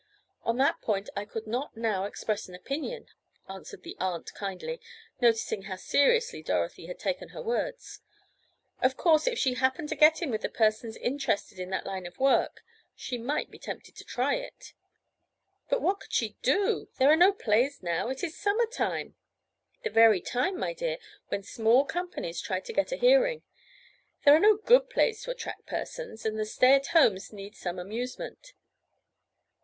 "On that point I could not now express an opinion," answered the aunt kindly, noticing how seriously Dorothy had taken her words. "Of course if she happened to get in with persons interested in that line of work—she might be tempted to try it." "But what could she do? There are no plays now—it is summer time!" "The very time, my dear, when small companies try to get a hearing. There are no good plays to attract persons, and the stay at homes need some amusement."